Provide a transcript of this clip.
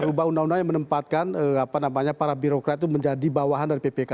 berubah undang undang yang menempatkan para birokrat itu menjadi bawahan dari ppk